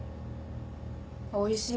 おいしい。